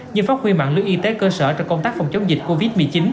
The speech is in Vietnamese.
như phát huy mạng lưới y tế cơ sở cho công tác phòng chống dịch covid một mươi chín